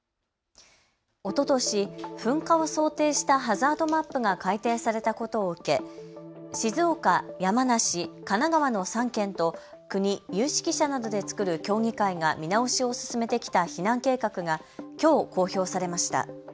おととし、噴火を想定したハザードマップが改定されたことを受け、静岡、山梨、神奈川の３県と国、有識者などで作る協議会が見直しを進めてきた避難計画がきょう公表されました。